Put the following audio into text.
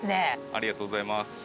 ありがとうございます。